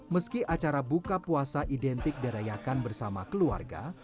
meski acara buka puasa identik dirayakan bersama keluarga